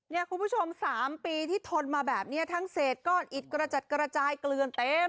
คุณผู้ชม๓ปีที่ทนมาแบบนี้ทั้งเศษก้อนอิดกระจัดกระจายเกลือนเต็ม